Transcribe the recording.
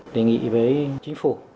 đề nghị với chính phủ